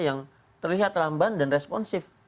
yang terlihat lamban dan responsif